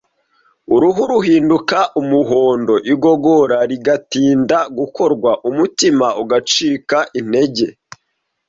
Uruhu ruhinduka umuhondo, igogora rigatinda gukorwa; umutima ugacika intege,